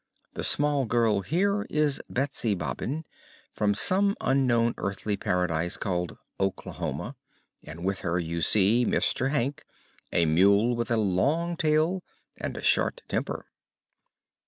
The small girl here is Betsy Bobbin, from some unknown earthly paradise called Oklahoma, and with her you see Mr. Hank, a mule with a long tail and a short temper."